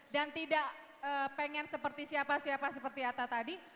dan tidak pengen seperti siapa siapa seperti atta tadi